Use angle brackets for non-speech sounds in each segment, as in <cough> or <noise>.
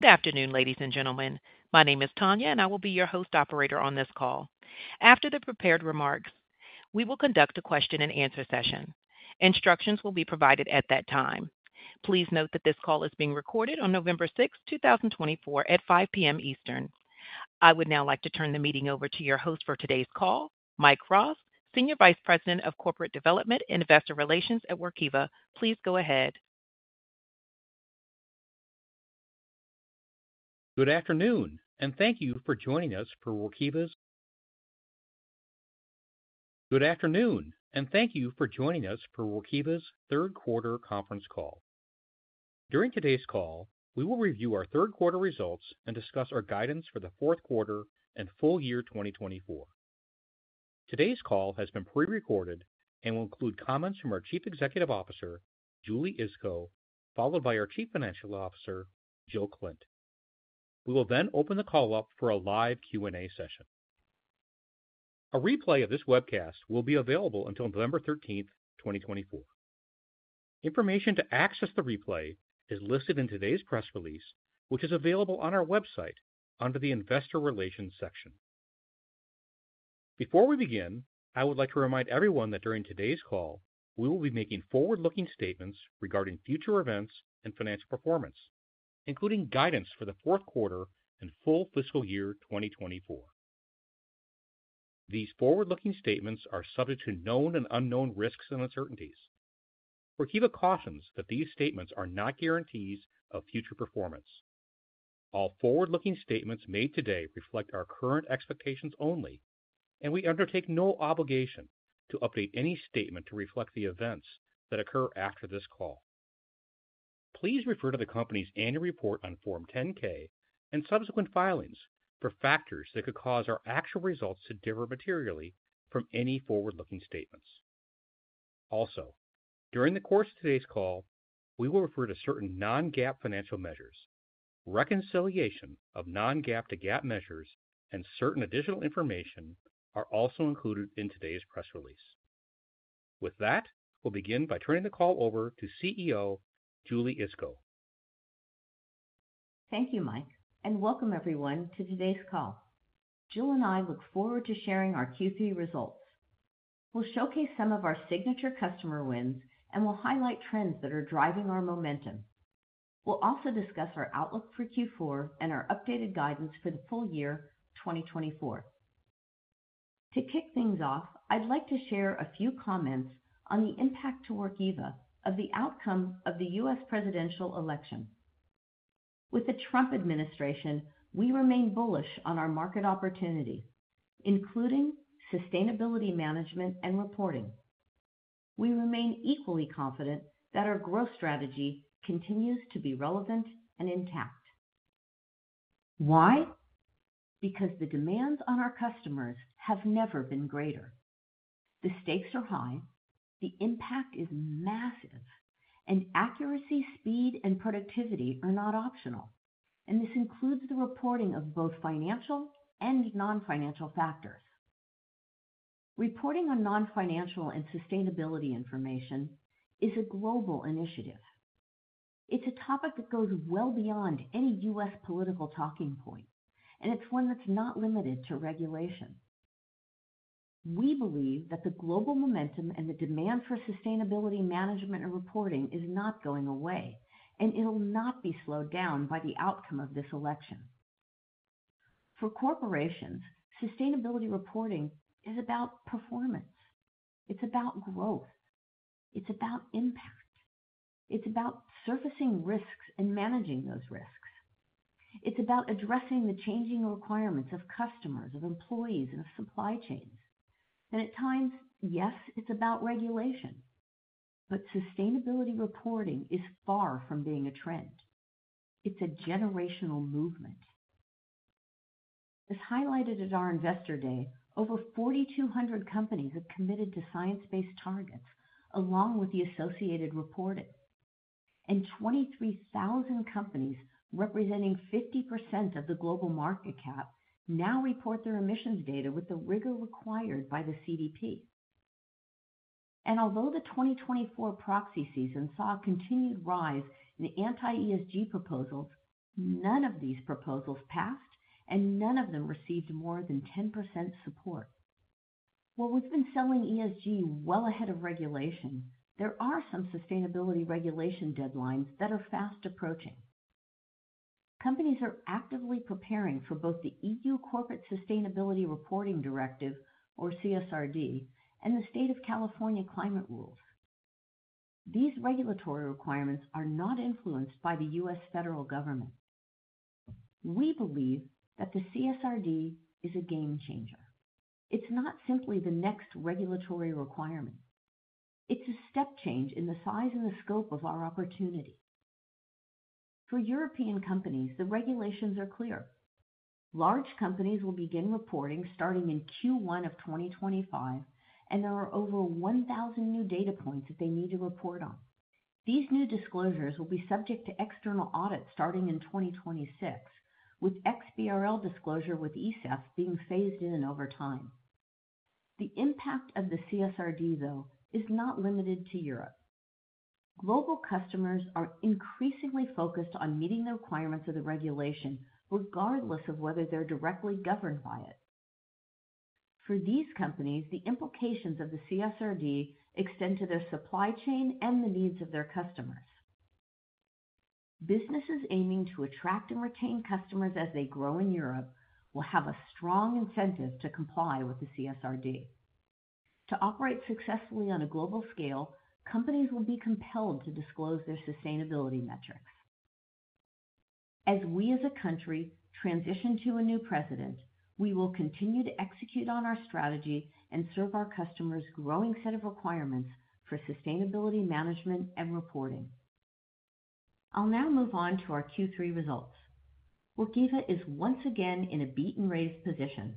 Good afternoon, ladies and gentlemen. My name is Tanya, and I will be your host operator on this call. After the prepared remarks, we will conduct a question and answer session. Instructions will be provided at that time. Please note that this call is being recorded on November 6th, 2024, at 5:00 P.M. Eastern. I would now like to turn the meeting over to your host for today's call, Mike Rost, Senior Vice President of Corporate Development and Investor Relations at Workiva. Please go ahead. Good afternoon, and thank you for joining us for Workiva's Third Quarter Conference Call. During today's call, we will review our third quarter results and discuss our guidance for the fourth quarter and full year 2024. Today's call has been pre-recorded and will include comments from our Chief Executive Officer, Julie Iskow, followed by our Chief Financial Officer, Jill Klindt. We will then open the call up for a live Q&A session. A replay of this webcast will be available until November 13th, 2024. Information to access the replay is listed in today's press release, which is available on our website under the Investor Relations section. Before we begin, I would like to remind everyone that during today's call, we will be making forward-looking statements regarding future events and financial performance, including guidance for the fourth quarter and full fiscal year 2024. These forward-looking statements are subject to known and unknown risks and uncertainties. Workiva cautions that these statements are not guarantees of future performance. All forward-looking statements made today reflect our current expectations only, and we undertake no obligation to update any statement to reflect the events that occur after this call. Please refer to the company's annual report on Form 10-K and subsequent filings for factors that could cause our actual results to differ materially from any forward-looking statements. Also, during the course of today's call, we will refer to certain non-GAAP financial measures. Reconciliation of non-GAAP to GAAP measures and certain additional information are also included in today's press release. With that, we'll begin by turning the call over to CEO Julie Iskow. Thank you, Mike, and welcome everyone to today's call. Jill and I look forward to sharing our Q3 results. We'll showcase some of our signature customer wins and will highlight trends that are driving our momentum. We'll also discuss our outlook for Q4 and our updated guidance for the full year 2024. To kick things off, I'd like to share a few comments on the impact to Workiva of the outcome of the U.S. presidential election. With the Trump administration, we remain bullish on our market opportunity, including sustainability management and reporting. We remain equally confident that our growth strategy continues to be relevant and intact. Why? Because the demands on our customers have never been greater. The stakes are high, the impact is massive, and accuracy, speed, and productivity are not optional, and this includes the reporting of both financial and non-financial factors. Reporting on non-financial and sustainability information is a global initiative. It's a topic that goes well beyond any U.S. political talking point, and it's one that's not limited to regulation. We believe that the global momentum and the demand for sustainability management and reporting is not going away, and it'll not be slowed down by the outcome of this election. For corporations, sustainability reporting is about performance. It's about growth. It's about impact. It's about surfacing risks and managing those risks. It's about addressing the changing requirements of customers, of employees, and of supply chains. And at times, yes, it's about regulation, but sustainability reporting is far from being a trend. It's a generational movement. As highlighted at our Investor Day, over 4,200 companies have committed to science-based targets along with the associated reporting. And 23,000 companies, representing 50% of the global market cap, now report their emissions data with the rigor required by the CDP. And although the 2024 proxy season saw a continued rise in anti-ESG proposals, none of these proposals passed, and none of them received more than 10% support. While we've been selling ESG well ahead of regulation, there are some sustainability regulation deadlines that are fast approaching. Companies are actively preparing for both the EU Corporate Sustainability Reporting Directive, or CSRD, and the State of California Climate Rules. These regulatory requirements are not influenced by the U.S. federal government. We believe that the CSRD is a game changer. It's not simply the next regulatory requirement. It's a step change in the size and the scope of our opportunity. For European companies, the regulations are clear. Large companies will begin reporting starting in Q1 of 2025, and there are over 1,000 new data points that they need to report on. These new disclosures will be subject to external audits starting in 2026, with XBRL disclosure with ESEF being phased in over time. The impact of the CSRD, though, is not limited to Europe. Global customers are increasingly focused on meeting the requirements of the regulation, regardless of whether they're directly governed by it. For these companies, the implications of the CSRD extend to their supply chain and the needs of their customers. Businesses aiming to attract and retain customers as they grow in Europe will have a strong incentive to comply with the CSRD. To operate successfully on a global scale, companies will be compelled to disclose their sustainability metrics. As we, as a country, transition to a new president, we will continue to execute on our strategy and serve our customers' growing set of requirements for sustainability management and reporting. I'll now move on to our Q3 results. Workiva is once again in a beat-and-raise position.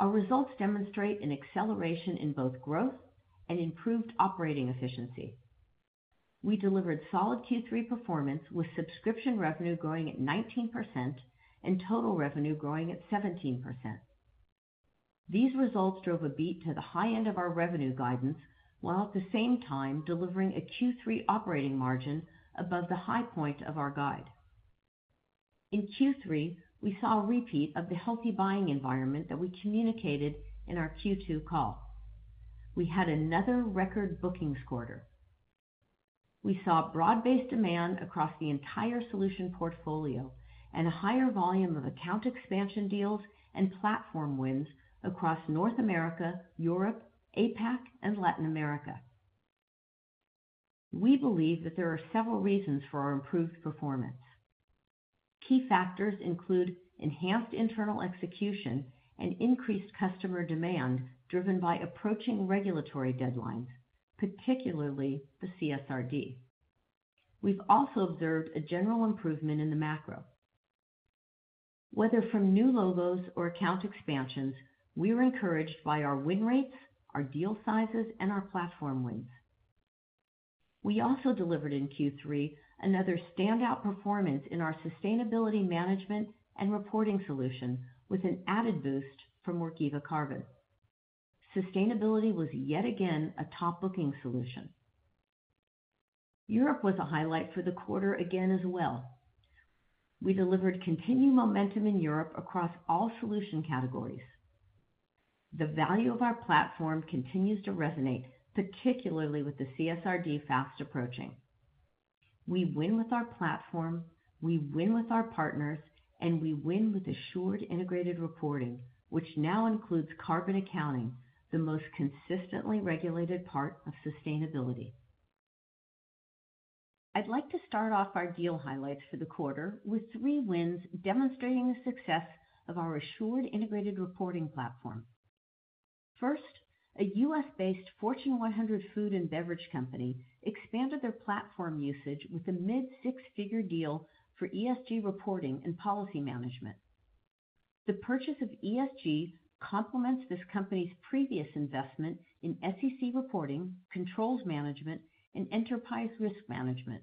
Our results demonstrate an acceleration in both growth and improved operating efficiency. We delivered solid Q3 performance, with subscription revenue growing at 19% and total revenue growing at 17%. These results drove a beat to the high end of our revenue guidance, while at the same time delivering a Q3 operating margin above the high point of our guide. In Q3, we saw a repeat of the healthy buying environment that we communicated in our Q2 call. We had another record bookings quarter. We saw broad-based demand across the entire solution portfolio and a higher volume of account expansion deals and platform wins across North America, Europe, APAC, and Latin America. We believe that there are several reasons for our improved performance. Key factors include enhanced internal execution and increased customer demand driven by approaching regulatory deadlines, particularly the CSRD. We've also observed a general improvement in the macro. Whether from new logos or account expansions, we were encouraged by our win rates, our deal sizes, and our platform wins. We also delivered in Q3 another standout performance in our sustainability management and reporting solution, with an added boost from Workiva Carbon. Sustainability was yet again a top-booking solution. Europe was a highlight for the quarter again as well. We delivered continued momentum in Europe across all solution categories. The value of our platform continues to resonate, particularly with the CSRD fast approaching. We win with our platform, we win with our partners, and we win with assured integrated reporting, which now includes carbon accounting, the most consistently regulated part of sustainability. I'd like to start off our deal highlights for the quarter with three wins demonstrating the success of our assured integrated reporting platform. First, a U.S.-based Fortune 100 food and beverage company expanded their platform usage with a mid-six-figure deal for ESG reporting and policy management. The purchase of ESG complements this company's previous investment in SEC reporting, controls management, and enterprise risk management.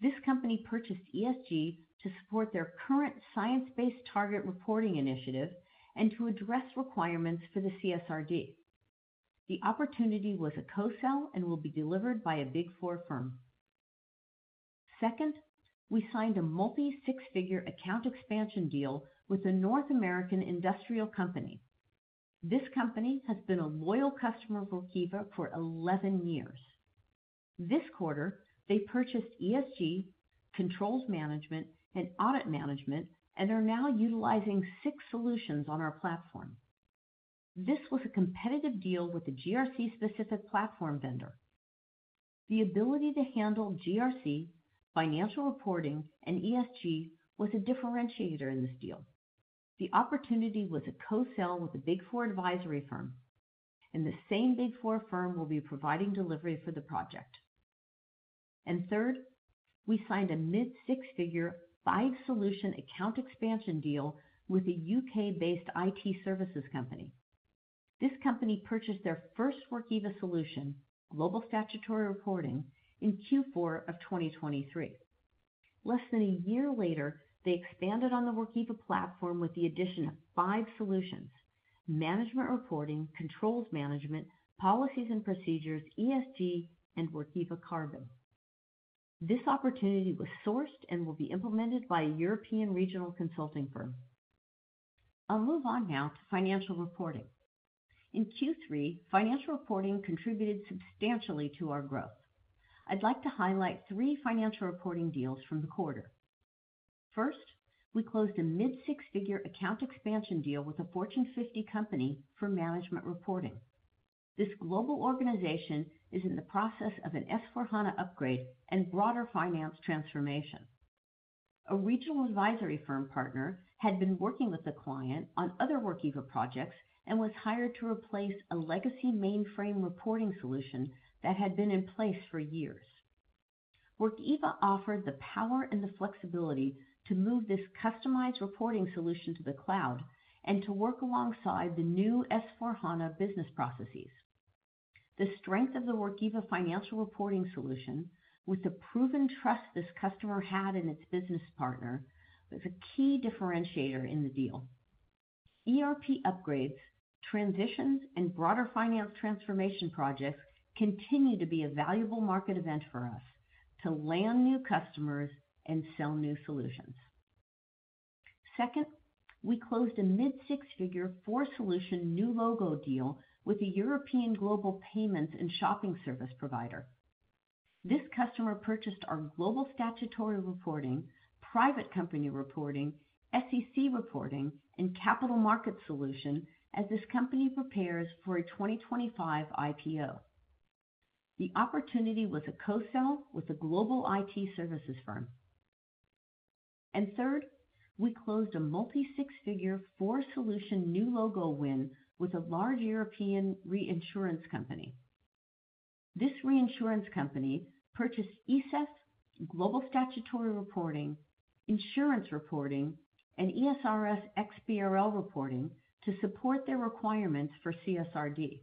This company purchased ESG to support their current science-based target reporting initiative and to address requirements for the CSRD. The opportunity was a co-sell and will be delivered by a Big Four firm. Second, we signed a multi-six-figure account expansion deal with a North American industrial company. This company has been a loyal customer of Workiva for 11 years. This quarter, they purchased ESG, controls management, and audit management, and are now utilizing six solutions on our platform. This was a competitive deal with a GRC-specific platform vendor. The ability to handle GRC, financial reporting, and ESG was a differentiator in this deal. The opportunity was a co-sell with a Big Four advisory firm, and the same Big Four firm will be providing delivery for the project. And third, we signed a mid-six-figure, five-solution account expansion deal with a U.K.-based IT services company. This company purchased their first Workiva solution, Global Statutory Reporting, in Q4 of 2023. Less than a year later, they expanded on the Workiva platform with the addition of five solutions: management reporting, controls management, policies and procedures, ESG, and Workiva Carbon. This opportunity was sourced and will be implemented by a European regional consulting firm. I'll move on now to financial reporting. In Q3, financial reporting contributed substantially to our growth. I'd like to highlight three financial reporting deals from the quarter. First, we closed a mid-six-figure account expansion deal with a Fortune 50 company for management reporting. This global organization is in the process of an S/4HANA upgrade and broader finance transformation. A regional advisory firm partner had been working with the client on other Workiva projects and was hired to replace a legacy mainframe reporting solution that had been in place for years. Workiva offered the power and the flexibility to move this customized reporting solution to the cloud and to work alongside the new S/4HANA business processes. The strength of the Workiva financial reporting solution, with the proven trust this customer had in its business partner, was a key differentiator in the deal. ERP upgrades, transitions, and broader finance transformation projects continue to be a valuable market event for us to land new customers and sell new solutions. Second, we closed a mid-six-figure, four-solution new logo deal with a European global payments and shopping service provider. This customer purchased our Global Statutory Reporting, Private Company Reporting, SEC Reporting, and Capital Markets solution as this company prepares for a 2025 IPO. The opportunity was a co-sell with a global IT services firm. And third, we closed a multi-six-figure, four-solution new logo win with a large European reinsurance company. This reinsurance company purchased ESEF, Global Statutory Reporting, Insurance Reporting, and ESRS XBRL reporting to support their requirements for CSRD.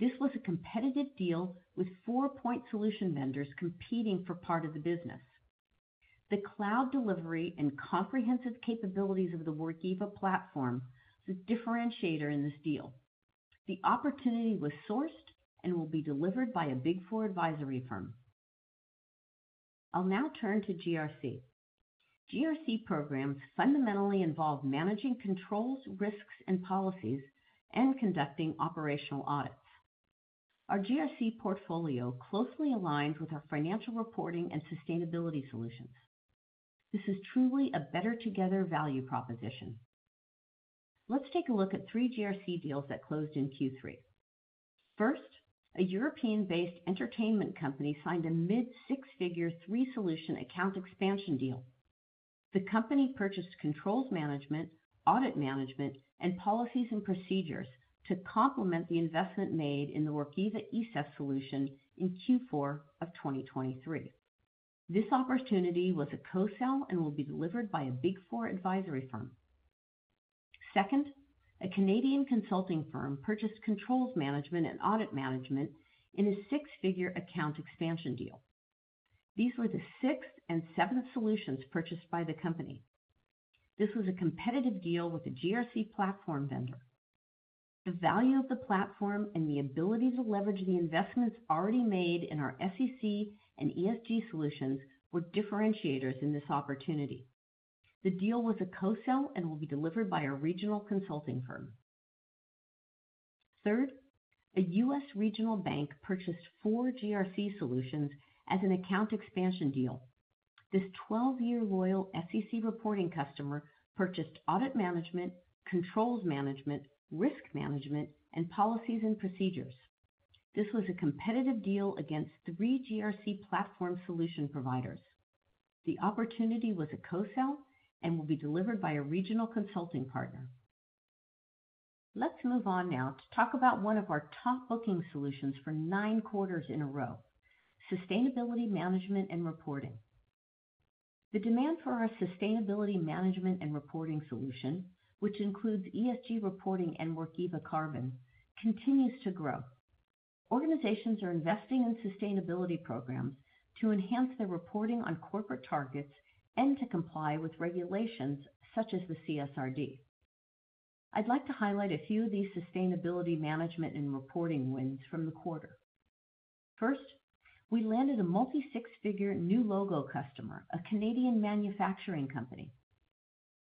This was a competitive deal with four-point solution vendors competing for part of the business. The cloud delivery and comprehensive capabilities of the Workiva Platform were a differentiator in this deal. The opportunity was sourced and will be delivered by a Big Four advisory firm. I'll now turn to GRC. GRC programs fundamentally involve managing controls, risks, and policies, and conducting operational audits. Our GRC portfolio closely aligns with our financial reporting and sustainability solutions. This is truly a better-together value proposition. Let's take a look at three GRC deals that closed in Q3. First, a European-based entertainment company signed a mid-six-figure, three-solution account expansion deal. The company purchased Controls Management, Audit Management, and Policies and Procedures to complement the investment made in the Workiva ESEF solution in Q4 of 2023. This opportunity was a co-sell and will be delivered by a Big Four advisory firm. Second, a Canadian consulting firm purchased controls management and audit management in a six-figure account expansion deal. These were the sixth and seventh solutions purchased by the company. This was a competitive deal with a GRC platform vendor. The value of the platform and the ability to leverage the investments already made in our SEC and ESG solutions were differentiators in this opportunity. The deal was a co-sell and will be delivered by a regional consulting firm. Third, a U.S. regional bank purchased four GRC solutions as an account expansion deal. This 12-year loyal SEC reporting customer purchased Audit Management, Controls Management, Risk Management, and Policies and Procedures. This was a competitive deal against three GRC platform solution providers. The opportunity was a co-sell and will be delivered by a regional consulting partner. Let's move on now to talk about one of our top booking solutions for nine quarters in a row, sustainability management and reporting. The demand for our sustainability management and reporting solution, which includes ESG reporting and Workiva Carbon, continues to grow. Organizations are investing in sustainability programs to enhance their reporting on corporate targets and to comply with regulations such as the CSRD. I'd like to highlight a few of these sustainability management and reporting wins from the quarter. First, we landed a multi-six-figure new logo customer, a Canadian manufacturing company.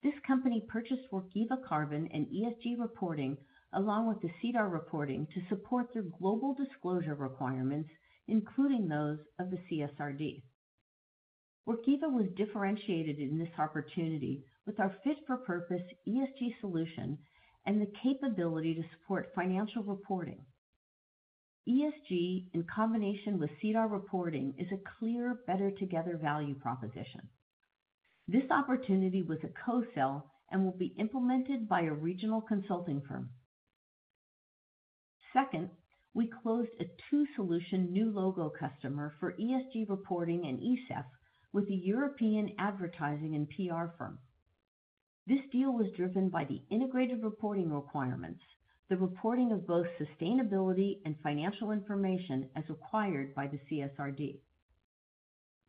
This company purchased Workiva Carbon and ESG reporting along with the SEDAR reporting to support their global disclosure requirements, including those of the CSRD. Workiva was differentiated in this opportunity with our fit-for-purpose ESG solution and the capability to support financial reporting. ESG, in combination with SEDAR reporting, is a clear, better-together value proposition. This opportunity was a co-sell and will be implemented by a regional consulting firm. Second, we closed a two-solution new logo customer for ESG reporting and ESEF with a European advertising and PR firm. This deal was driven by the integrated reporting requirements, the reporting of both sustainability and financial information as required by the CSRD.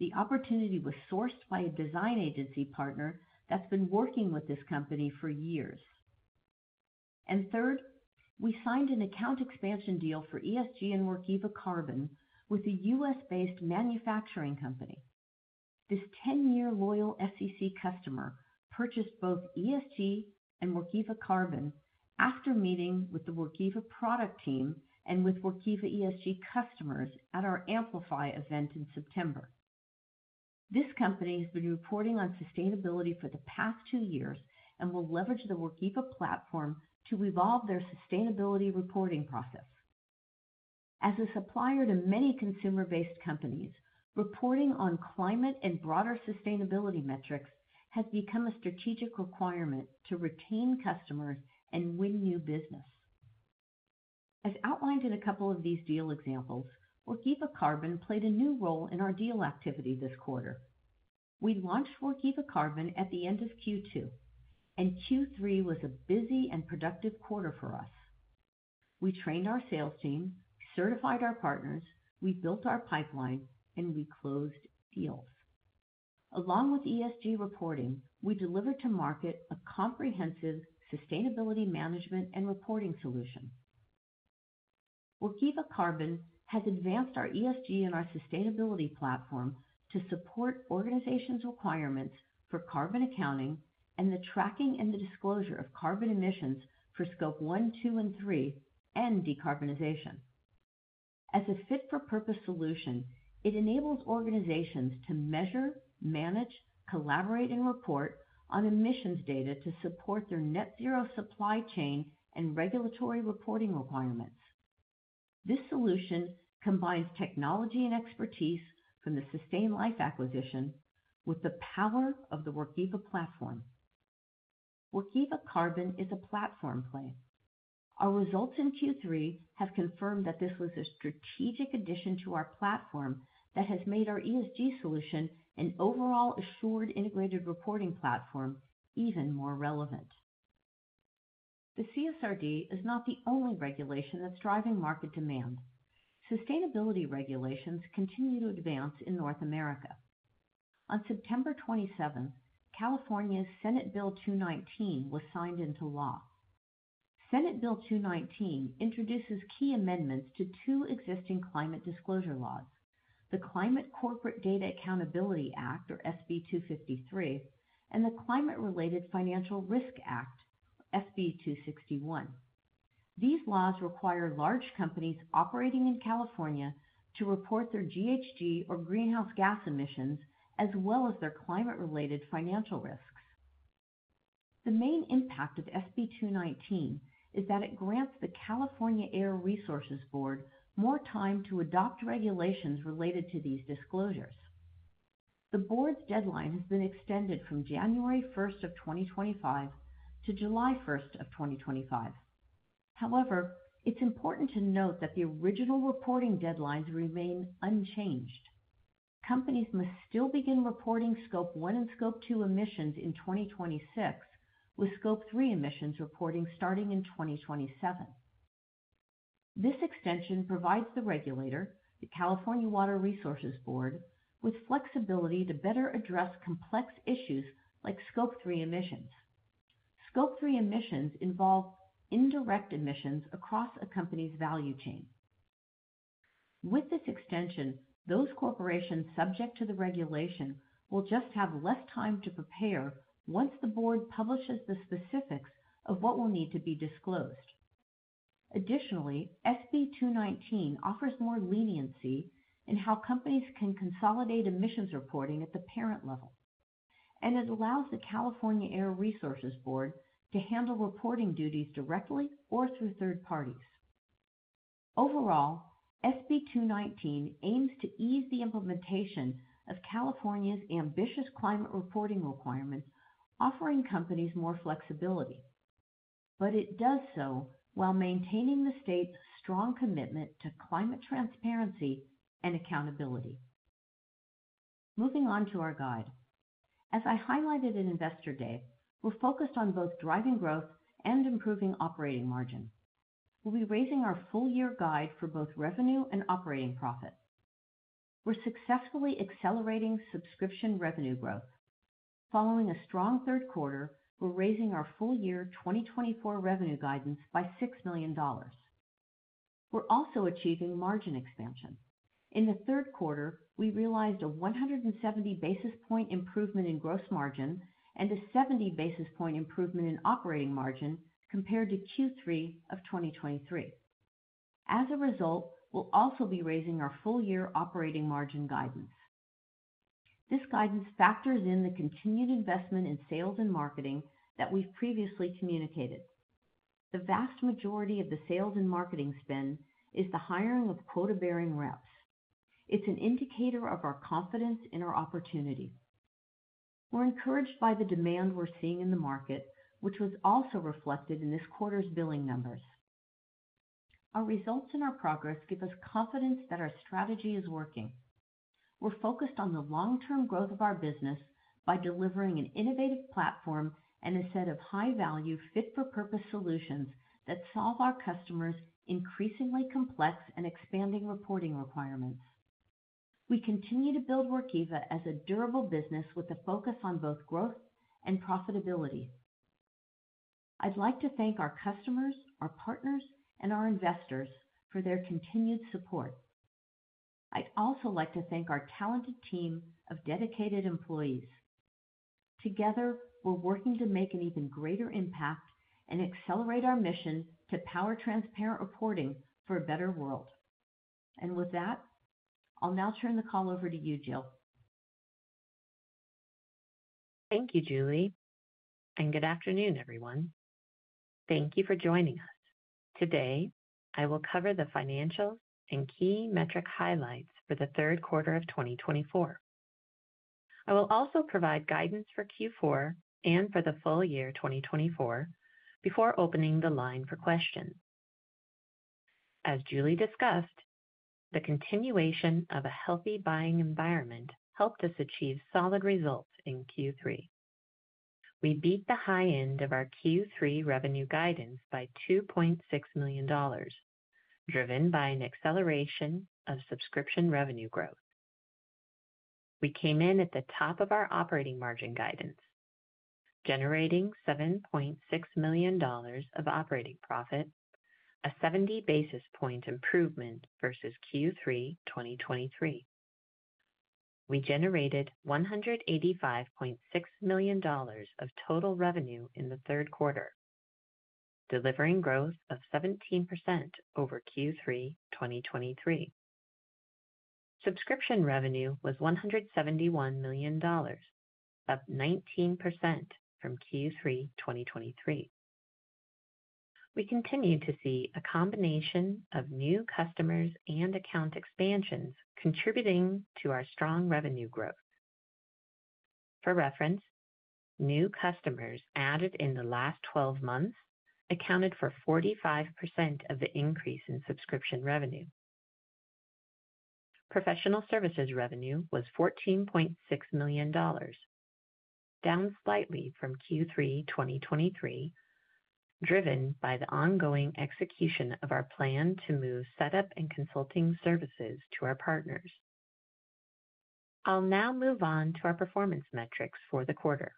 The opportunity was sourced by a design agency partner that's been working with this company for years. And third, we signed an account expansion deal for ESG and Workiva Carbon with a U.S.-based manufacturing company. This 10-year loyal SEC customer purchased both ESG and Workiva Carbon after meeting with the Workiva product team and with Workiva ESG customers at our Amplify event in September. This company has been reporting on sustainability for the past two years and will leverage the Workiva platform to evolve their sustainability reporting process. As a supplier to many consumer-based companies, reporting on climate and broader sustainability metrics has become a strategic requirement to retain customers and win new business. As outlined in a couple of these deal examples, Workiva Carbon played a new role in our deal activity this quarter. We launched Workiva Carbon at the end of Q2, and Q3 was a busy and productive quarter for us. We trained our sales team, certified our partners, we built our pipeline, and we closed deals. Along with ESG reporting, we delivered to market a comprehensive sustainability management and reporting solution. Workiva Carbon has advanced our ESG and our sustainability platform to support organizations' requirements for carbon accounting and the tracking and the disclosure of carbon emissions for scope one, two, and three, and decarbonization. As a fit-for-purpose solution, it enables organizations to measure, manage, collaborate, and report on emissions data to support their net-zero supply chain and regulatory reporting requirements. This solution combines technology and expertise from the Sustain.Life acquisition with the power of the Workiva platform. Workiva Carbon is a platform play. Our results in Q3 have confirmed that this was a strategic addition to our platform that has made our ESG solution and overall assured integrated reporting platform even more relevant. The CSRD is not the only regulation that's driving market demand. Sustainability regulations continue to advance in North America. On September 27th, California's Senate Bill 219 was signed into law. Senate Bill 219 introduces key amendments to two existing climate disclosure laws: the Climate Corporate Data Accountability Act, or SB 253, and the Climate-Related Financial Risk Act, SB 261. These laws require large companies operating in California to report their GHG or greenhouse gas emissions as well as their climate-related financial risks. The main impact of SB 219 is that it grants the California Air Resources Board more time to adopt regulations related to these disclosures. The board's deadline has been extended from January 1st of 2025 to July 1st of 2025. However, it's important to note that the original reporting deadlines remain unchanged. Companies must still begin reporting scope one and scope two emissions in 2026, with scope three emissions reporting starting in 2027. This extension provides the regulator, the California Water Resources Board, with flexibility to better address complex issues like scope three emissions. Scope three emissions involve indirect emissions across a company's value chain. With this extension, those corporations subject to the regulation will just have less time to prepare once the board publishes the specifics of what will need to be disclosed. Additionally, SB 219 offers more leniency in how companies can consolidate emissions reporting at the parent level, and it allows the California Air Resources Board to handle reporting duties directly or through third parties. Overall, SB 219 aims to ease the implementation of California's ambitious climate reporting requirements, offering companies more flexibility, but it does so while maintaining the state's strong commitment to climate transparency and accountability. Moving on to our guidance. As I highlighted in Investor Day, we're focused on both driving growth and improving operating margin. We'll be raising our full-year guidance for both revenue and operating profit. We're successfully accelerating subscription revenue growth. Following a strong third quarter, we're raising our full-year 2024 revenue guidance by $6 million. We're also achieving margin expansion. In the third quarter, we realized a 170 basis points improvement in gross margin and a 70 basis points improvement in operating margin compared to Q3 of 2023. As a result, we'll also be raising our full-year operating margin guidance. This guidance factors in the continued investment in sales and marketing that we've previously communicated. The vast majority of the sales and marketing spend is the hiring of quota-bearing reps. It's an indicator of our confidence in our opportunity. We're encouraged by the demand we're seeing in the market, which was also reflected in this quarter's billing numbers. Our results and our progress give us confidence that our strategy is working. We're focused on the long-term growth of our business by delivering an innovative platform and a set of high-value, fit-for-purpose solutions that solve our customers' increasingly complex and expanding reporting requirements. We continue to build Workiva as a durable business with a focus on both growth and profitability. I'd like to thank our customers, our partners, and our investors for their continued support. I'd also like to thank our talented team of dedicated employees. Together, we're working to make an even greater impact and accelerate our mission to power transparent reporting for a better world. And with that, I'll now turn the call over to you, Jill. Thank you, Julie, and good afternoon, everyone. Thank you for joining us. Today, I will cover the financials and key metric highlights for the third quarter of 2024. I will also provide guidance for Q4 and for the full year 2024 before opening the line for questions. As Julie discussed, the continuation of a healthy buying environment helped us achieve solid results in Q3. We beat the high end of our Q3 revenue guidance by $2.6 million, driven by an acceleration of subscription revenue growth. We came in at the top of our operating margin guidance, generating $7.6 million of operating profit, a 70 basis point improvement versus Q3 2023. We generated $185.6 million of total revenue in the third quarter, delivering growth of 17% over Q3 2023. Subscription revenue was $171 million, up 19% from Q3 2023. We continue to see a combination of new customers and account expansions contributing to our strong revenue growth. For reference, new customers added in the last 12 months accounted for 45% of the increase in subscription revenue. Professional services revenue was $14.6 million, down slightly from Q3 2023, driven by the ongoing execution of our plan to move setup and consulting services to our partners. I'll now move on to our performance metrics for the quarter.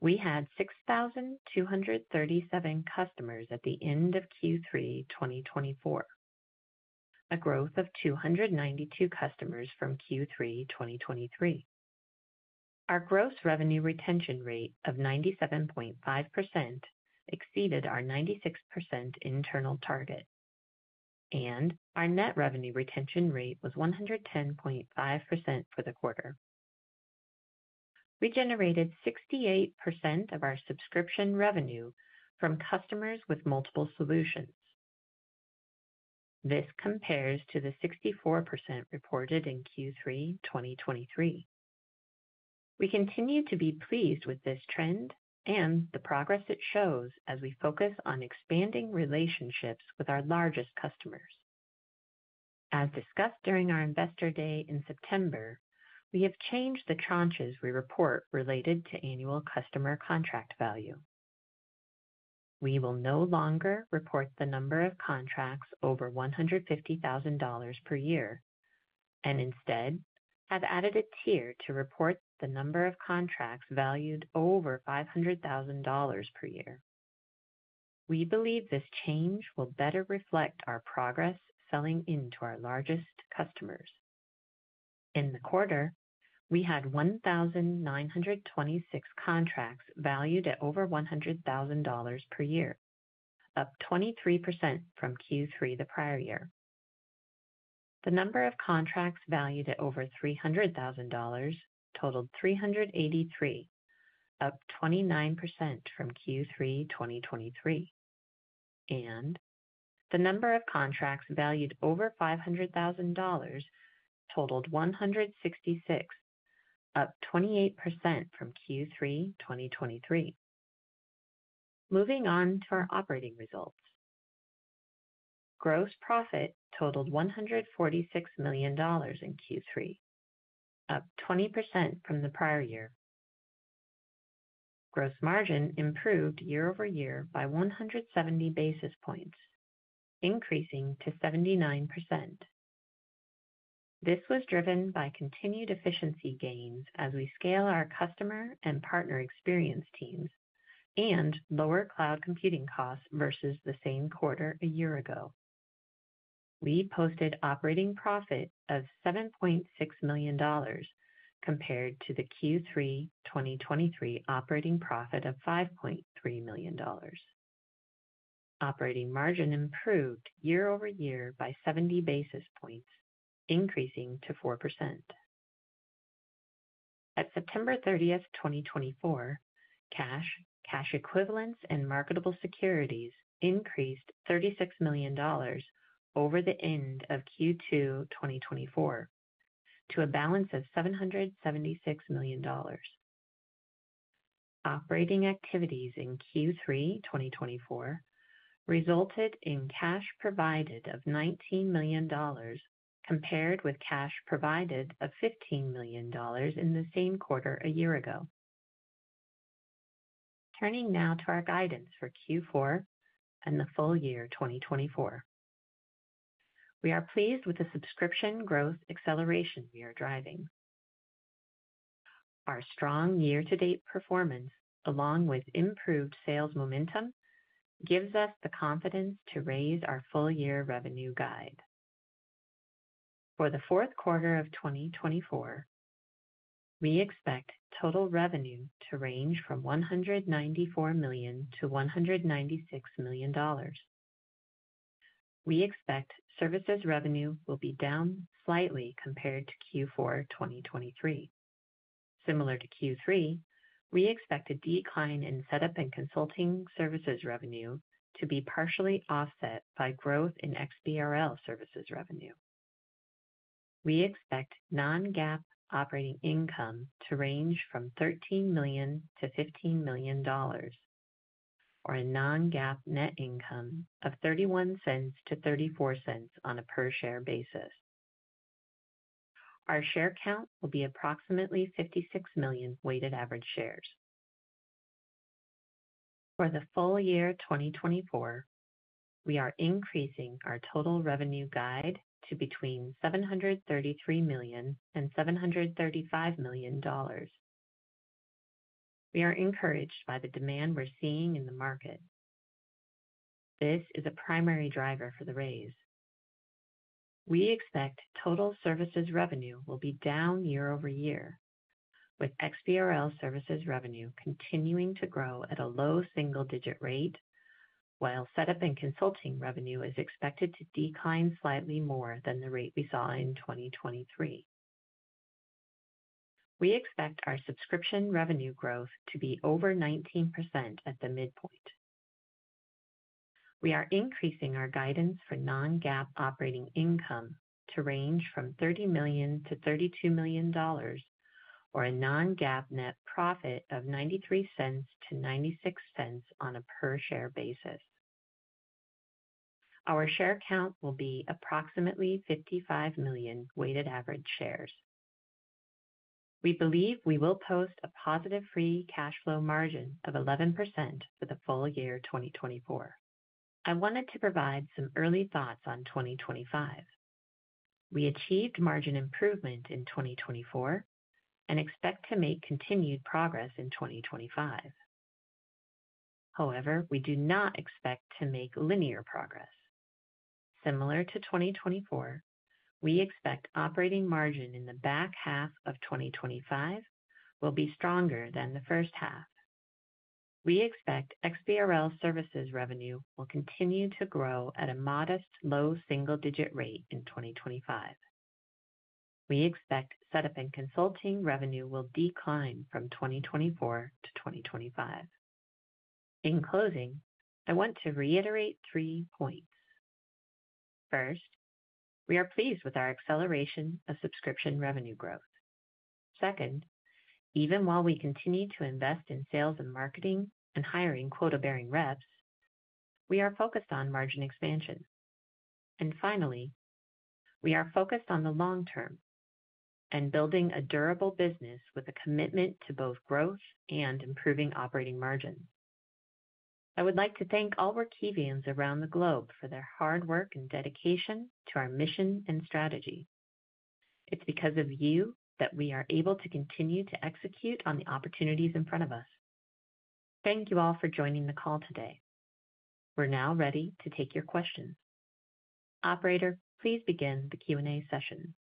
We had 6,237 customers at the end of Q3 2024, a growth of 292 customers from Q3 2023. Our gross revenue retention rate of 97.5% exceeded our 96% internal target, and our net revenue retention rate was 110.5% for the quarter. We generated 68% of our subscription revenue from customers with multiple solutions. This compares to the 64% reported in Q3 2023. We continue to be pleased with this trend and the progress it shows as we focus on expanding relationships with our largest customers. As discussed during our Investor Day in September, we have changed the tranches we report related to annual customer contract value. We will no longer report the number of contracts over $150,000 per year and instead have added a tier to report the number of contracts valued over $500,000 per year. We believe this change will better reflect our progress selling into our largest customers. In the quarter, we had 1,926 contracts valued at over $100,000 per year, up 23% from Q3 the prior year. The number of contracts valued at over $300,000 totaled 383, up 29% from Q3 2023, and the number of contracts valued over $500,000 totaled 166, up 28% from Q3 2023. Moving on to our operating results. Gross profit totaled $146 million in Q3, up 20% from the prior year. Gross margin improved year-over-year by 170 basis points, increasing to 79%. This was driven by continued efficiency gains as we scale our customer and partner experience teams and lower cloud computing costs versus the same quarter a year ago. We posted operating profit of $7.6 million compared to the Q3 2023 operating profit of $5.3 million. Operating margin improved year-over-year by 70 basis points, increasing to 4%. At September 30th, 2024, cash, cash equivalents, and marketable securities increased $36 million over the end of Q2 2024 to a balance of $776 million. Operating activities in Q3 2024 resulted in cash provided of $19 million compared with cash provided of $15 million in the same quarter a year ago. Turning now to our guidance for Q4 and the full year 2024, we are pleased with the subscription growth acceleration we are driving. Our strong year-to-date performance, along with improved sales momentum, gives us the confidence to raise our full-year revenue guide. For the fourth quarter of 2024, we expect total revenue to range from $194 million-$196 million. We expect services revenue will be down slightly compared to Q4 2023. Similar to Q3, we expect a decline in setup and consulting services revenue to be partially offset by growth in XBRL services revenue. We expect non-GAAP operating income to range from $13 million-$15 million, or a non-GAAP net income of $0.31-$0.34 on a per-share basis. Our share count will be approximately 56 million weighted average shares. For the full year 2024, we are increasing our total revenue guide to between $733 million and $735 million. We are encouraged by the demand we're seeing in the market. This is a primary driver for the raise. We expect total services revenue will be down year-over-year, with XBRL services revenue continuing to grow at a low single-digit rate, while setup and consulting revenue is expected to decline slightly more than the rate we saw in 2023. We expect our subscription revenue growth to be over 19% at the midpoint. We are increasing our guidance for non-GAAP operating income to range from $30 million-$32 million, or a non-GAAP net profit of $0.93-$0.96 on a per-share basis. Our share count will be approximately 55 million weighted average shares. We believe we will post a positive free cash flow margin of 11% for the full year 2024. I wanted to provide some early thoughts on 2025. We achieved margin improvement in 2024 and expect to make continued progress in 2025. However, we do not expect to make linear progress. Similar to 2024, we expect operating margin in the back half of 2025 will be stronger than the first half. We expect XBRL services revenue will continue to grow at a modest low single-digit rate in 2025. We expect setup and consulting revenue will decline from 2024-2025. In closing, I want to reiterate three points. First, we are pleased with our acceleration of subscription revenue growth. Second, even while we continue to invest in sales and marketing and hiring quota-bearing reps, we are focused on margin expansion. And finally, we are focused on the long term and building a durable business with a commitment to both growth and improving operating margins. I would like to thank all Workivians around the globe for their hard work and dedication to our mission and strategy. It's because of you that we are able to continue to execute on the opportunities in front of us. Thank you all for joining the call today. We're now ready to take your questions. Operator, please begin the Q&A session.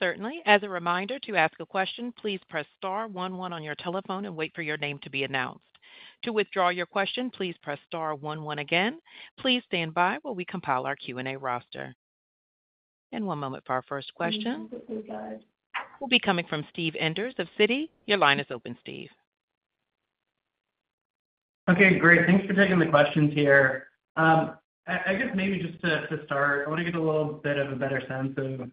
Certainly. As a reminder to ask a question, please press star one one on your telephone and wait for your name to be announced. To withdraw your question, please press star one one again. Please stand by while we compile our Q&A roster, and one moment for our first question. We'll be coming from Steve Enders of Citi. Your line is open, Steve. Okay, great. Thanks for taking the questions here. I guess maybe just to start, I want to get a little bit of a better sense of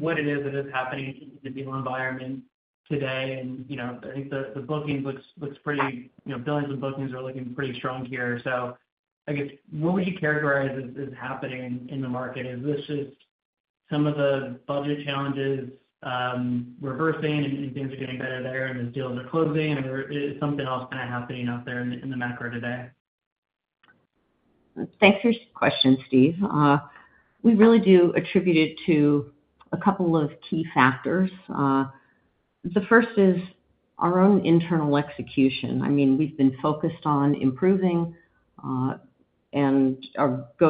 what it is that is happening in the deal environment today, and I think the billings are looking pretty strong here, so I guess what would you characterize as happening in the market? Is this just some of the budget challenges reversing and things are getting better there and those deals are closing, or is something else kind of happening out there in the macro today? Thanks for your question, Steve. We really do attribute it to a couple of key factors. The first is our own internal execution. I mean, we've been focused on improving and go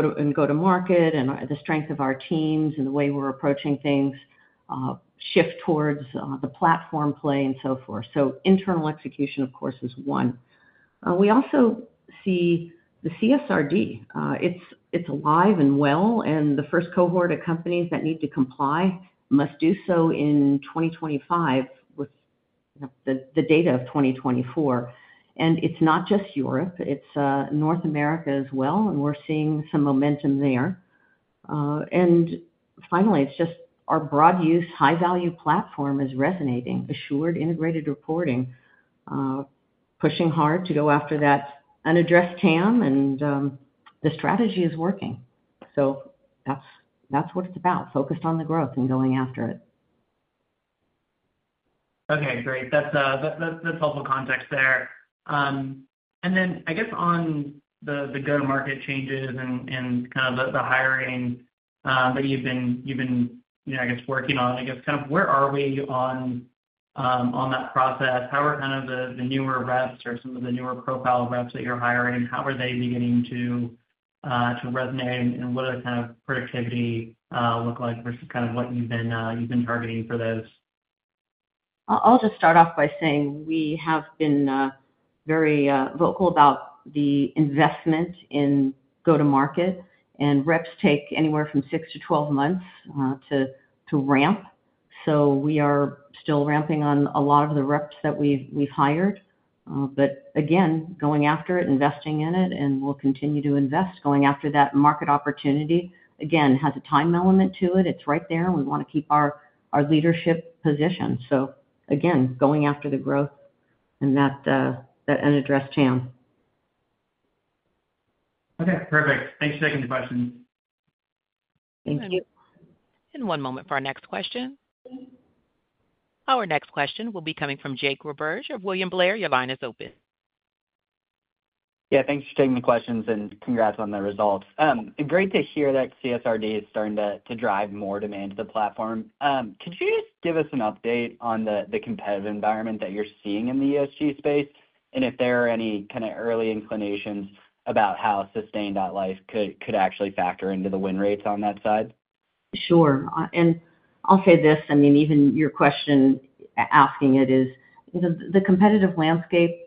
to market and the strength of our teams and the way we're approaching things shift towards the platform play and so forth. So internal execution, of course, is one. We also see the CSRD. It's alive and well, and the first cohort of companies that need to comply must do so in 2025 with the data of 2024. And it's not just Europe. It's North America as well, and we're seeing some momentum there. And finally, it's just our broad-use, high-value platform is resonating. Assured integrated reporting, pushing hard to go after that unaddressed TAM, and the strategy is working. So that's what it's about: focused on the growth and going after it. Okay, great. That's helpful context there. And then I guess on the go-to-market changes and kind of the hiring that you've been, I guess, working on, I guess kind of where are we on that process? How are kind of the newer reps or some of the newer profile reps that you're hiring, how are they beginning to resonate, and what does kind of productivity look like versus kind of what you've been targeting for those? I'll just start off by saying we have been very vocal about the investment in go-to-market, and reps take anywhere from six to 12 months to ramp. So we are still ramping on a lot of the reps that we've hired, but again, going after it, investing in it, and we'll continue to invest. Going after that market opportunity, again, has a time element to it. It's right there, and we want to keep our leadership position. So again, going after the growth and that unaddressed TAM. Okay, perfect. Thanks for taking the questions. Thank you. And one moment for our next question. Our next question will be coming from Jake Roberge of William Blair. Your line is open. Yeah, thanks for taking the questions, and congrats on the results. Great to hear that CSRD is starting to drive more demand to the platform. Could you just give us an update on the competitive environment that you're seeing in the ESG space, and if there are any kind of early inclinations about how Sustain.Life could actually factor into the win rates on that side? Sure. And I'll say this. I mean, even your question asking it is the competitive landscape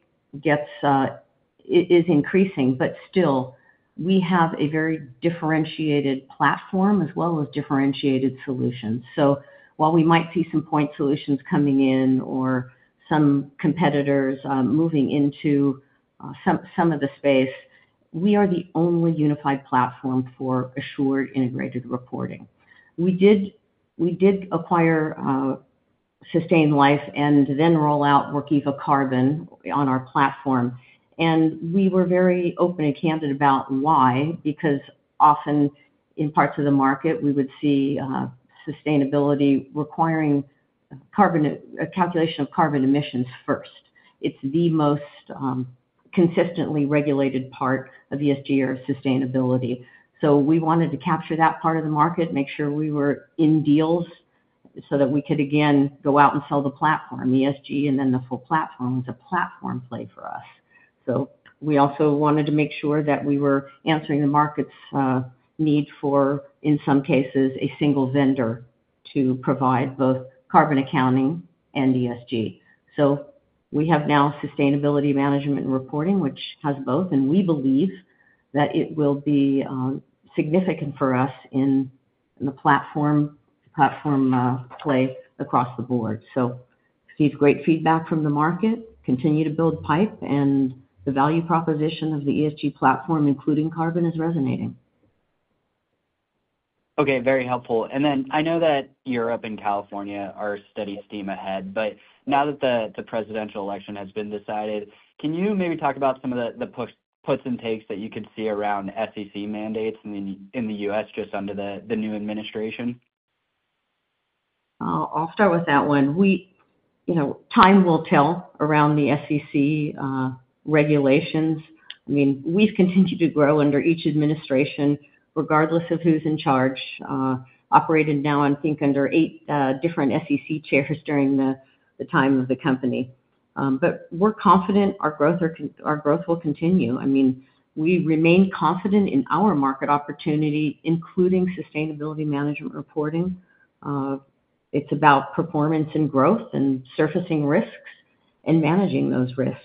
is increasing, but still, we have a very differentiated platform as well as differentiated solutions. So while we might see some point solutions coming in or some competitors moving into some of the space, we are the only unified platform for assured integrated reporting. We did acquire Sustain.Life and then roll out Workiva Carbon on our platform. And we were very open and candid about why, because often in parts of the market, we would see sustainability requiring a calculation of carbon emissions first. It's the most consistently regulated part of ESG or sustainability. So we wanted to capture that part of the market, make sure we were in deals so that we could, again, go out and sell the platform, ESG, and then the full platform was a platform play for us. So we also wanted to make sure that we were answering the market's need for, in some cases, a single vendor to provide both carbon accounting and ESG. So we have now sustainability management and reporting, which has both, and we believe that it will be significant for us in the platform play across the board. So Steve's great feedback from the market, continue to build pipe, and the value proposition of the ESG platform, including carbon, is resonating. Okay, very helpful. And then I know that Europe and California are steady steam ahead, but now that the presidential election has been decided, can you maybe talk about some of the puts and takes that you could see around SEC mandates in the U.S. just under the new administration? I'll start with that one. Time will tell around the SEC regulations. I mean, we've continued to grow under each administration, regardless of who's in charge, operated now, I think, under eight different SEC chairs during the time of the company. But we're confident our growth will continue. I mean, we remain confident in our market opportunity, including sustainability management reporting. It's about performance and growth and surfacing risks and managing those risks.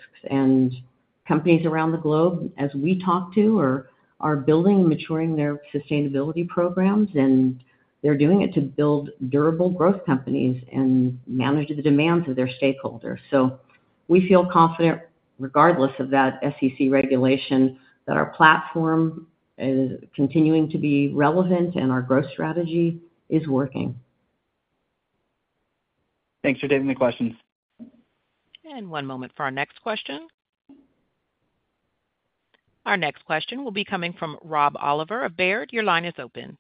Companies around the globe, as we talk to, are building and maturing their sustainability programs, and they're doing it to build durable growth companies and manage the demands of their stakeholders. We feel confident, regardless of that SEC regulation, that our platform is continuing to be relevant and our growth strategy is working. Thanks for taking the questions. One moment for our next question. Our next question will be coming from Rob Oliver of Baird. Your line is open.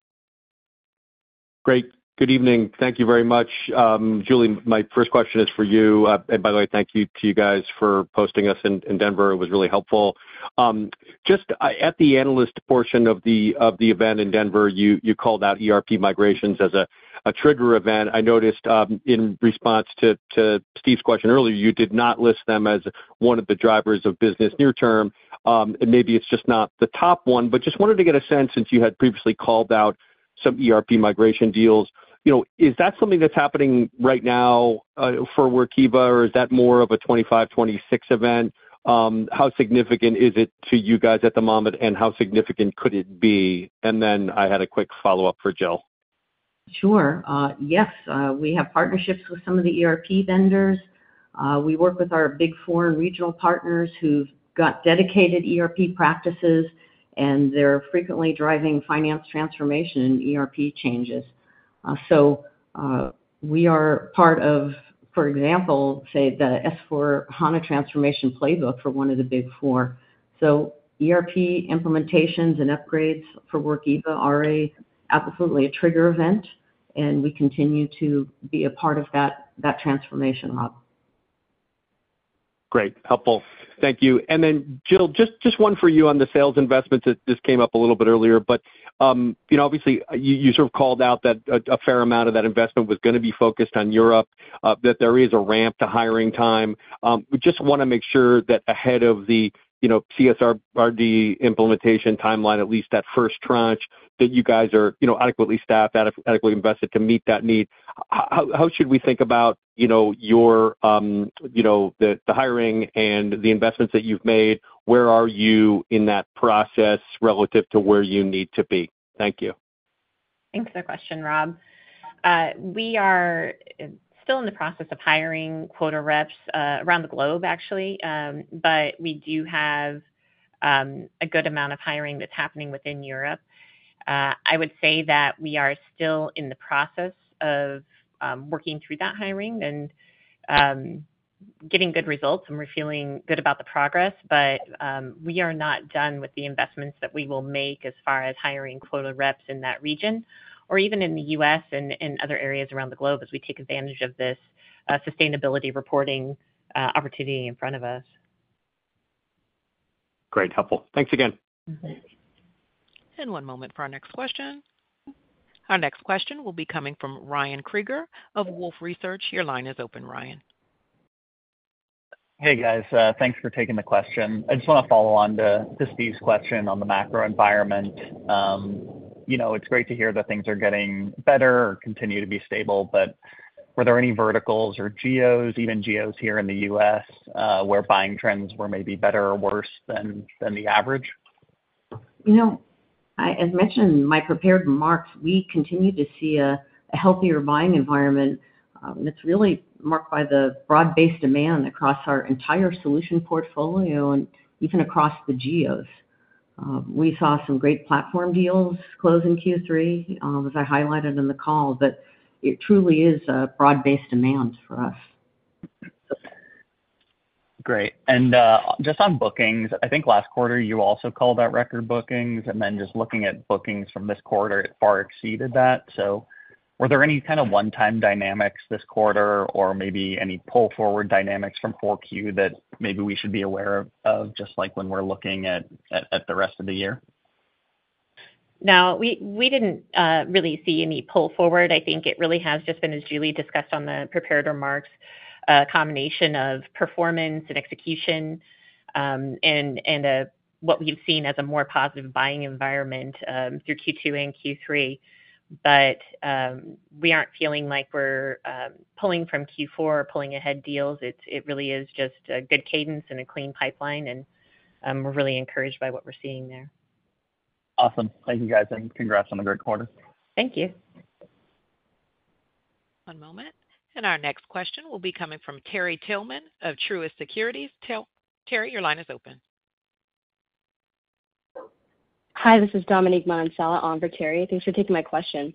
Great. Good evening. Thank you very much. Julie, my first question is for you. By the way, thank you to you guys for hosting us in Denver. It was really helpful. Just at the analyst portion of the event in Denver, you called out ERP migrations as a trigger event. I noticed in response to Steve's question earlier, you did not list them as one of the drivers of business near term. And maybe it's just not the top one, but just wanted to get a sense since you had previously called out some ERP migration deals. Is that something that's happening right now for Workiva, or is that more of a 2025, 2026 event? How significant is it to you guys at the moment, and how significant could it be? And then I had a quick follow-up for Jill. Sure. Yes, we have partnerships with some of the ERP vendors. We work with our big four regional partners who've got dedicated ERP practices, and they're frequently driving finance transformation and ERP changes. We are part of, for example, say, the S/4HANA transformation playbook for one of the Big Four. ERP implementations and upgrades for Workiva are absolutely a trigger event, and we continue to be a part of that transformation hub. Great. Helpful. Thank you. And then, Jill, just one for you on the sales investments that just came up a little bit earlier, but obviously, you sort of called out that a fair amount of that investment was going to be focused on Europe, that there is a ramp to hiring time. We just want to make sure that ahead of the CSRD implementation timeline, at least that first tranche, that you guys are adequately staffed, adequately invested to meet that need. How should we think about the hiring and the investments that you've made? Where are you in that process relative to where you need to be? Thank you. Thanks for the question, Rob. We are still in the process of hiring quota reps around the globe, actually, but we do have a good amount of hiring that's happening within Europe. I would say that we are still in the process of working through that hiring and getting good results, and we're feeling good about the progress, but we are not done with the investments that we will make as far as hiring quota reps in that region, or even in the U.S. and other areas around the globe as we take advantage of this sustainability reporting opportunity in front of us. Great. Helpful. Thanks again. And one moment for our next question. Our next question will be coming from Ryan Krieger of Wolfe Research. Your line is open, Ryan. Hey, guys. Thanks for taking the question. I just want to follow on to Steve's question on the macro environment. It's great to hear that things are getting better or continue to be stable, but were there any verticals or geos, even geos here in the U.S., where buying trends were maybe better or worse than the average? As mentioned in my prepared remarks, we continue to see a healthier buying environment that's really marked by the broad-based demand across our entire solution portfolio and even across the geos. We saw some great platform deals close in Q3, as I highlighted in the call, but it truly is a broad-based demand for us. Great. And just on bookings, I think last quarter you also called out record bookings, and then just looking at bookings from this quarter, it far exceeded that. So were there any kind of one-time dynamics this quarter or maybe any pull-forward dynamics from 4Q that maybe we should be aware of just when we're looking at the rest of the year? No, we didn't really see any pull-forward. I think it really has just been, as Julie discussed on the prepared remarks, a combination of performance and execution and what we've seen as a more positive buying environment through Q2 and Q3. But we aren't feeling like we're pulling from Q4 or pulling ahead deals. It really is just a good cadence and a clean pipeline, and we're really encouraged by what we're seeing there. Awesome. Thank you, guys, and congrats on a great quarter. Thank you. One moment. And our next question will be coming from Terry Tillman of Truist Securities. Terry, your line is open. Hi, this is Dominique Mancel in for Terry. Thanks for taking my question.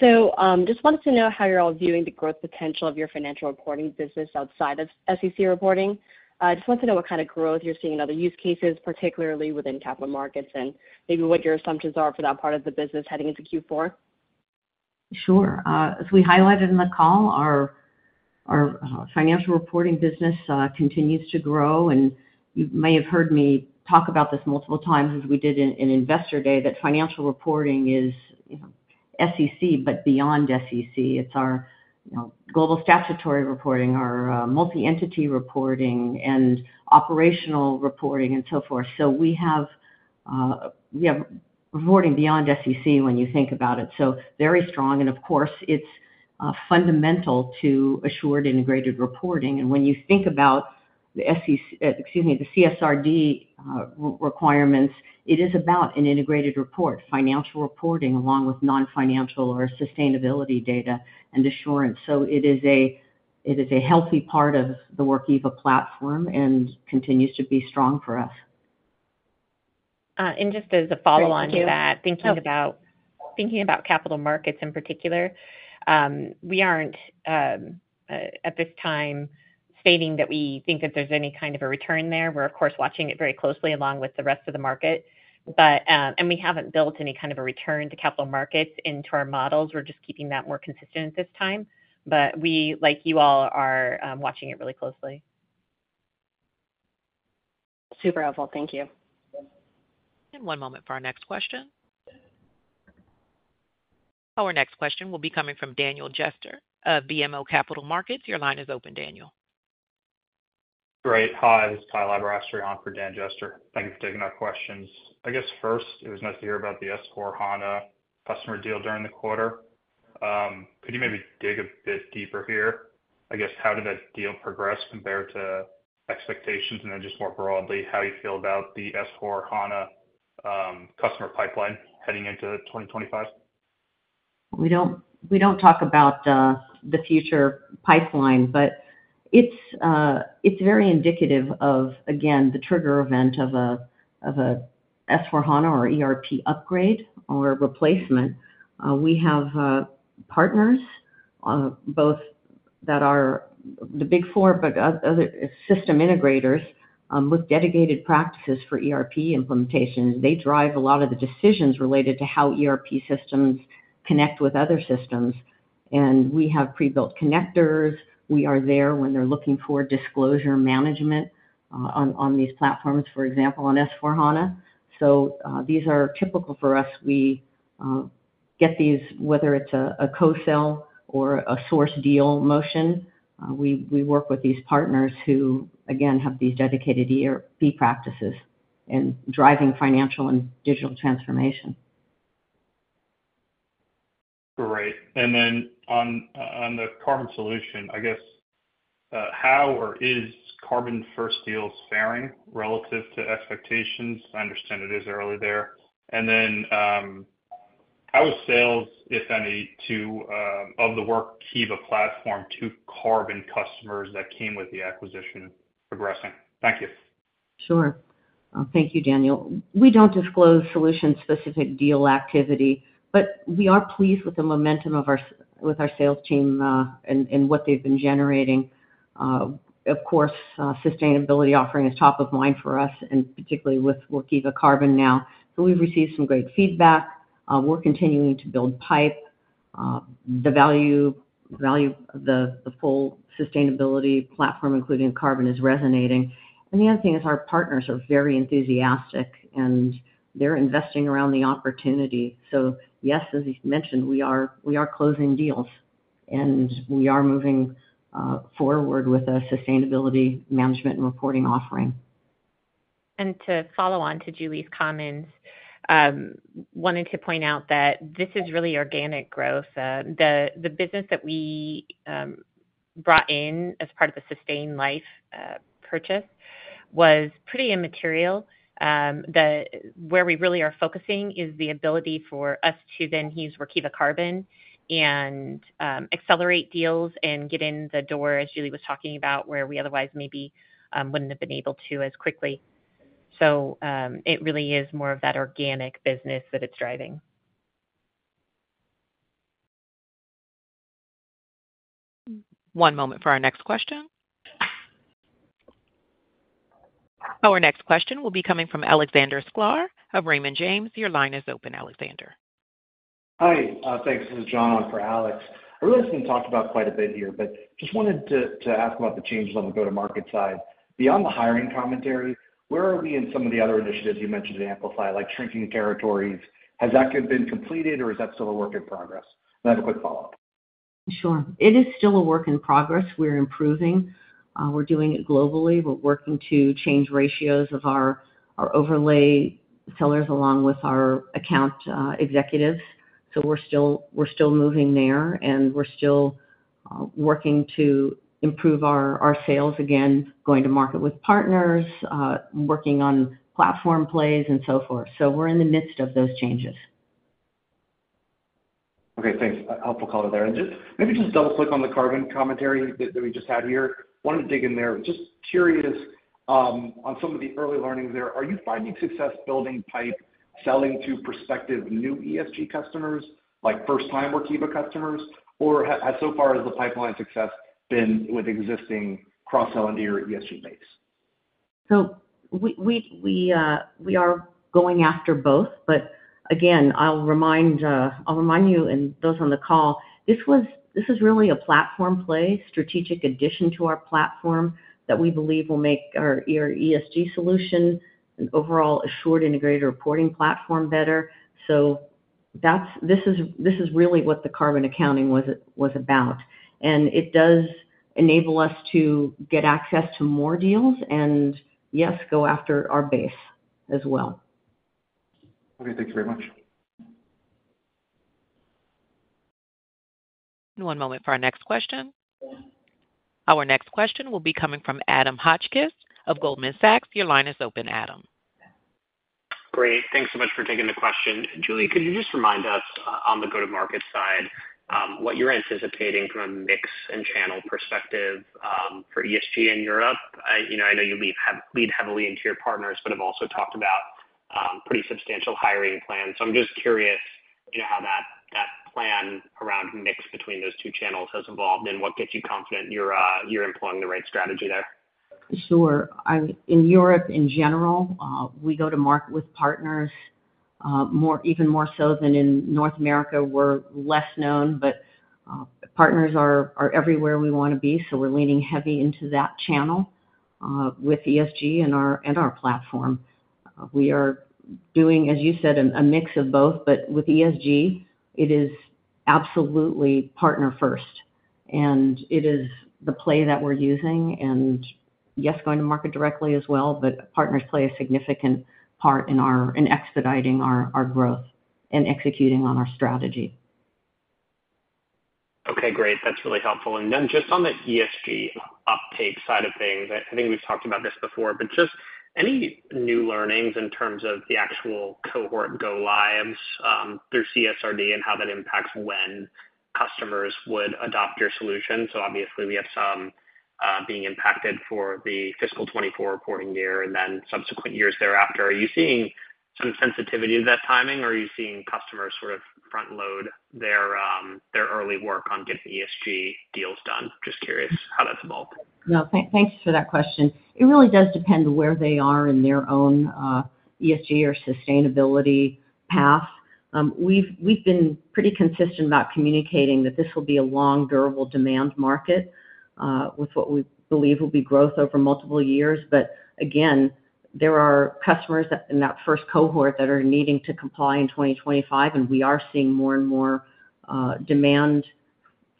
So just wanted to know how you're all viewing the growth potential of your financial reporting business outside of SEC reporting. I just want to know what kind of growth you're seeing in other use cases, particularly within capital markets, and maybe what your assumptions are for that part of the business heading into Q4? Sure. As we highlighted in the call, our financial reporting business continues to grow, and you may have heard me talk about this multiple times as we did in Investor Day, that financial reporting is SEC, but beyond SEC. It's our global statutory reporting, our multi-entity reporting, and operational reporting, and so forth. So we have reporting beyond SEC when you think about it. So very strong, and of course, it's fundamental to assured integrated reporting. And when you think about the CSRD requirements, it is about an integrated report, financial reporting, along with non-financial or sustainability data and assurance. So it is a healthy part of the Workiva platform and continues to be strong for us. And just as a follow-on to that, thinking about capital markets in particular, we aren't at this time stating that we think that there's any kind of a return there. We're, of course, watching it very closely along with the rest of the market. And we haven't built any kind of a return to capital markets into our models. We're just keeping that more consistent at this time. But we, like you all, are watching it really closely. Super helpful. Thank you. And one moment for our next question. Our next question will be coming from Daniel Jester of BMO Capital Markets. Your line is open, Daniel. Great. Hi, this is Kyle <audio distortion> on for Daniel Jester. Thank you for taking our questions. I guess first, it was nice to hear about the S/4HANA customer deal during the quarter. Could you maybe dig a bit deeper here? I guess, how did that deal progress compared to expectations? And then just more broadly, how do you feel about the S/4HANA customer pipeline heading into 2025? We don't talk about the future pipeline, but it's very indicative of, again, the trigger event of an S/4HANA or ERP upgrade or replacement. We have partners, both that are the big four, but other system integrators with dedicated practices for ERP implementations. They drive a lot of the decisions related to how ERP systems connect with other systems. And we have pre-built connectors. We are there when they're looking for disclosure management on these platforms, for example, on S/4HANA. So these are typical for us. We get these, whether it's a co-sell or a source deal motion. We work with these partners who, again, have these dedicated ERP practices and driving financial and digital transformation. Great. And then on the carbon solution, I guess, how, or is, carbon-first deals faring relative to expectations? I understand it is early there. And then how is sales, if any, of the Workiva platform to carbon customers that came with the acquisition progressing? Thank you. Sure. Thank you, Daniel. We don't disclose solution-specific deal activity, but we are pleased with the momentum of our sales team and what they've been generating. Of course, sustainability offering is top of mind for us, and particularly with Workiva Carbon now. So we've received some great feedback. We're continuing to build pipe. The value of the full sustainability platform, including carbon, is resonating. The other thing is our partners are very enthusiastic, and they're investing around the opportunity. So yes, as you mentioned, we are closing deals, and we are moving forward with a sustainability management and reporting offering. To follow on to Julie's comments, I wanted to point out that this is really organic growth. The business that we brought in as part of the Sustain.Life purchase was pretty immaterial. Where we really are focusing is the ability for us to then use Workiva Carbon and accelerate deals and get in the door, as Julie was talking about, where we otherwise maybe wouldn't have been able to as quickly. So it really is more of that organic business that it's driving. One moment for our next question. Our next question will be coming from Alexander Sklar of Raymond James. Your line is open, Alexander. Hi. Thanks. This is John for Alex. I really haven't talked about quite a bit here, but just wanted to ask about the change on the go-to-market side. Beyond the hiring commentary, where are we in some of the other initiatives you mentioned at Amplify, like shrinking territories? Has that been completed, or is that still a work in progress? I have a quick follow-up. Sure. It is still a work in progress. We're improving. We're doing it globally. We're working to change ratios of our overlay sellers along with our account executives. So we're still moving there, and we're still working to improve our sales, again, going to market with partners, working on platform plays, and so forth. So we're in the midst of those changes. Okay. Thanks. Helpful call there. And maybe just double-click on the carbon commentary that we just had here. Wanted to dig in there. Just curious on some of the early learnings there. Are you finding success building pipeline selling to prospective new ESG customers, like first-time Workiva customers? Or so far, has the pipeline success been with existing cross-sell and ESG base? So we are going after both. But again, I'll remind you and those on the call, this is really a platform play, strategic addition to our platform that we believe will make our ESG solution and overall assured integrated reporting platform better. So this is really what the carbon accounting was about. And it does enable us to get access to more deals and, yes, go after our base as well. Okay. Thank you very much. And one moment for our next question. Our next question will be coming from Adam Hotchkiss of Goldman Sachs. Your line is open, Adam. Great. Thanks so much for taking the question. Julie, could you just remind us on the go-to-market side what you're anticipating from a mix and channel perspective for ESG in Europe? I know you lead heavily into your partners, but have also talked about pretty substantial hiring plans. So I'm just curious how that plan around mix between those two channels has evolved and what gets you confident you're employing the right strategy there. Sure. In Europe, in general, we go to market with partners even more so than in North America. We're less known, but partners are everywhere we want to be. So we're leaning heavy into that channel with ESG and our platform. We are doing, as you said, a mix of both. But with ESG, it is absolutely partner-first. And it is the play that we're using. Yes, going to market directly as well, but partners play a significant part in expediting our growth and executing on our strategy. Okay. Great. That's really helpful. Then just on the ESG uptake side of things, I think we've talked about this before, but just any new learnings in terms of the actual cohort go-lives through CSRD and how that impacts when customers would adopt your solution? Obviously, we have some being impacted for the fiscal 2024 reporting year and then subsequent years thereafter. Are you seeing some sensitivity to that timing, or are you seeing customers sort of front-load their early work on getting ESG deals done? Just curious how that's evolved. Yeah. Thanks for that question. It really does depend where they are in their own ESG or sustainability path. We've been pretty consistent about communicating that this will be a long, durable demand market with what we believe will be growth over multiple years. But again, there are customers in that first cohort that are needing to comply in 2025, and we are seeing more and more demand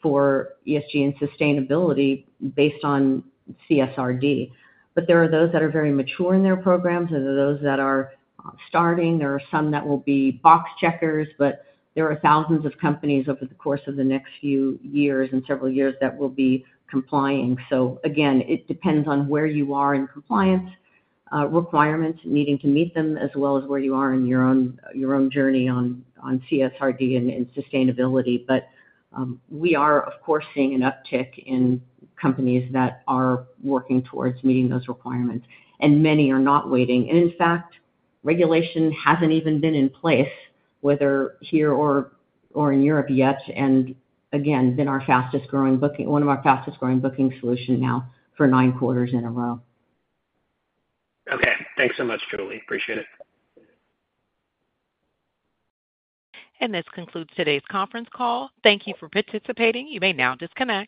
for ESG and sustainability based on CSRD. But there are those that are very mature in their programs. There are those that are starting. There are some that will be box checkers, but there are thousands of companies over the course of the next few years and several years that will be complying. So again, it depends on where you are in compliance requirements, needing to meet them, as well as where you are in your own journey on CSRD and sustainability. But we are, of course, seeing an uptick in companies that are working towards meeting those requirements, and many are not waiting. And in fact, regulation hasn't even been in place, whether here or in Europe yet, and again, it's been our fastest-growing booking, one of our fastest-growing booking solutions now for nine quarters in a row. Okay. Thanks so much, Julie. Appreciate it. And this concludes today's conference call. Thank you for participating. You may now disconnect.